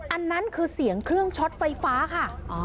อันนั้นคือเสียงเครื่องช็อตไฟฟ้าค่ะ